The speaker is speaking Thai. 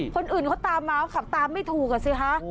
คนอื่นเขาตามมาเขาขับตามไม่ถูกอ่ะสิคะ